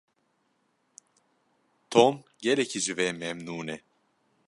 Tom gelekî ji vê memnûn e.